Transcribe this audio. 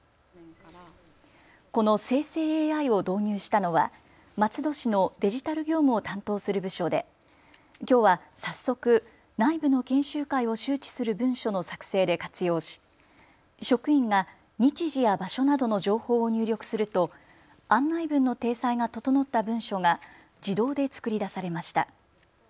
この生成ＡＩを導入したのは松戸市のデジタル業務を担当する部署できょうは早速、内部の研修会を周知する文書の作成で活用し職員が日時や場所などの情報を入力すると案内文の体裁が整った文書が自動で作り出されました。